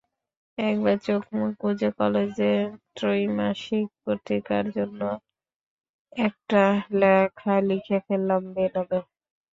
একবার চোখমুখ বুজে কলেজের ত্রৈমাসিক পত্রিকার জন্য একটা লেখা লিখে ফেললাম, বেনামে।